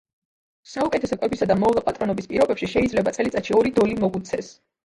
საუკეთესო კვებისა და მოვლა-პატრონობის პირობებში შეიძლება წელიწადში ორი დოლი მოგვცეს.